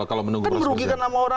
kalau menunggu proses persidangan